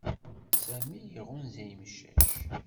Sami iɣunza imcac.